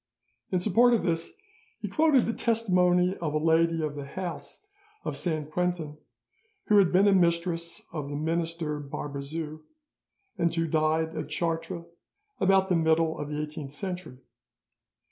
In support of this, he quoted the testimony of a lady of the house of Saint Quentin who had been a mistress of the minister Barbezieux, and who died at Chartres about the middle of the eighteenth century.